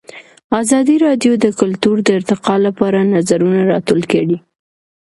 ازادي راډیو د کلتور د ارتقا لپاره نظرونه راټول کړي.